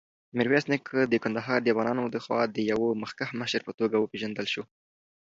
میرویس نیکه د کندهار دافغانانودخوا د یوه مخکښ مشر په توګه وپېژندل شو.